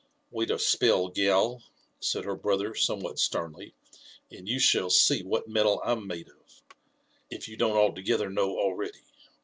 'Wait a spell, gal," said her brother somewhat sternly, •' and you shall see what metal Tm made of, if you don't altogether know already.